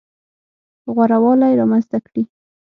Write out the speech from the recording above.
غوره والی رامنځته کړي.